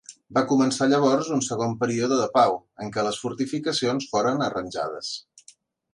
Va començar llavors un segon període de pau, en què les fortificacions foren arranjades.